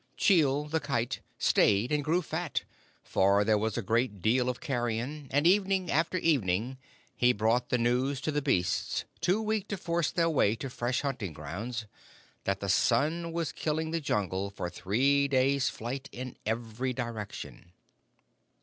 Chil, the Kite, stayed and grew fat, for there was a great deal of carrion, and evening after evening he brought the news to the beasts, too weak to force their way to fresh hunting grounds, that the sun was killing the Jungle for three days' flight in every direction.